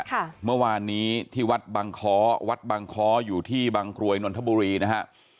เมื่อวานนี้ที่วัดบังค้อวัดบังค้ออยู่ที่บางกรวยนนทบุรีนะฮะ